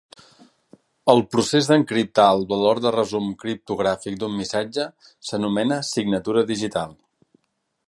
El procés d'encriptar el valor de resum criptogràfic d'un missatge s'anomena signatura digital.